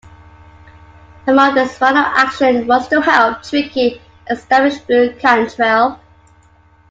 Among his final actions was to help Tricky establish Blu Cantrell.